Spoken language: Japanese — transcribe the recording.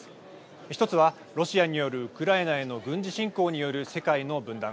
１つはロシアによるウクライナへの軍事侵攻による世界の分断。